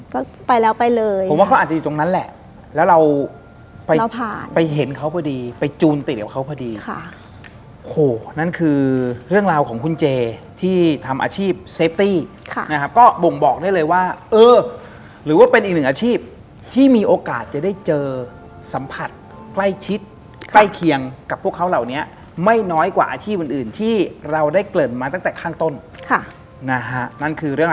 ก็ไปแล้วไปเลยผมว่าเขาอาจจะอยู่ตรงนั้นแหละแล้วเราไปเห็นเขาพอดีไปจูนติดกับเขาพอดีค่ะโหนั่นคือเรื่องราวของคุณเจที่ทำอาชีพเซฟตี้ค่ะนะครับก็บ่งบอกได้เลยว่าเออหรือว่าเป็นอีกหนึ่งอาชีพที่มีโอกาสจะได้เจอสัมผัสใกล้ชิดใกล้เคียงกับพวกเขาเหล่านี้ไม่น้อยกว่าอาชีพอื่นอื่นที่เราได้เกริ่นมาตั้งแต่ข้างต้นค่ะนะฮะนั่นคือเรื่อง